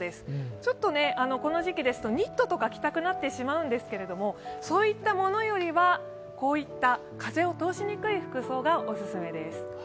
ちょっとこの時期ですとニットとか着たくなってしまうんですがそういったものよりは、風を通しにくい服装がオススメです。